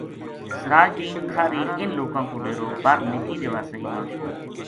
سراج دین کھاہری اِنھ لوکاں کو ڈیرو بَر نِکی دیواسئی ما تھو